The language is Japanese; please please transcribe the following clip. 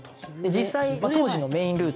実際当時のメインルート